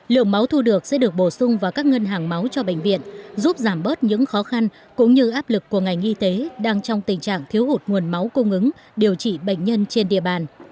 lượng máu thu được sẽ được bổ sung vào các ngân hàng máu cho bệnh viện giúp giảm bớt những khó khăn cũng như áp lực của ngành y tế đang trong tình trạng thiếu hụt nguồn máu cung ứng điều trị bệnh nhân trên địa bàn